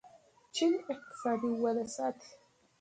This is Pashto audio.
چین اقتصادي وده ساتي.